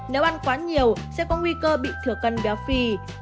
nếu ăn quá nhiều sẽ có nguy cơ bị thừa cân béo phì